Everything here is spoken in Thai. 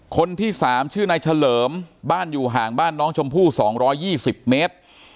คนที่๓ชื่อนายเฉลิมบ้านอยู่ห่างบ้านน้องชมพู่๒๒๐เมตร